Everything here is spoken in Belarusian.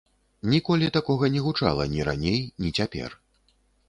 Ніколі такога не гучала, ні раней, ні цяпер.